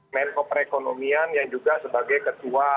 menko perekonomian yang juga sebagai ketua